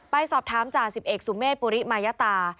ไปสอบถามจ่า๑๑สุเมธปุริมายตา